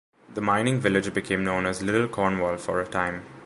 The mining village became known as "Little Cornwall" for a time.